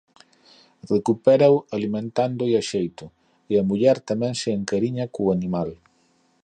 Recupérao alimentándoo a xeito e a muller tamén se encariña co animal.